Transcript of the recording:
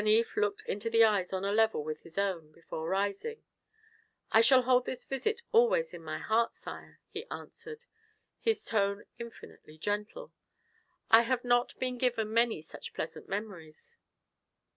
Stanief looked into the eyes on a level with his own, before rising. "I shall hold this visit always in my heart, sire," he answered, his tone infinitely gentle. "I have not been given many such pleasant memories."